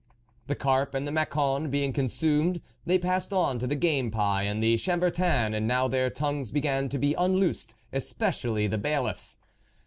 The carp and the Macon being con sumed, they passed on to the game pie and the Chambertin, and now their ton gues began to be unloosed, especially the Bailiffs.